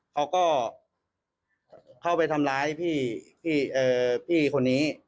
เขาก็เข้าไปทำร้ายพี่คนนี้